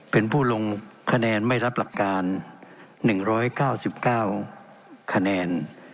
เป็นผู้ลงคะแนนไม่รับหลักการ๑๙๙คะแนน